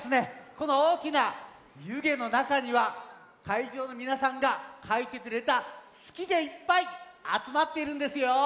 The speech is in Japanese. このおおきなゆげのなかにはかいじょうのみなさんがかいてくれた「すき」でいっぱいあつまっているんですよ。